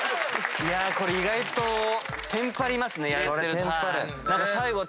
これ意外とテンパりますね。